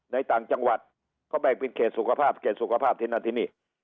ต่างจังหวัดเขาแบ่งเป็นเขตสุขภาพเขตสุขภาพที่นั่นที่นี่